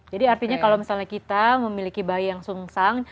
jadi artinya kalau misalnya kita memiliki bayi yang sungsang